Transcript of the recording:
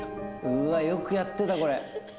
よくやってた、これ。